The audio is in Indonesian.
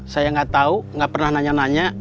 saya gak tau gak pernah nanya nanya